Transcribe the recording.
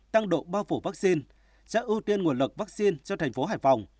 tăng độ bao phủ vaccine sẽ ưu tiên nguồn lực vaccine cho thành phố hải phòng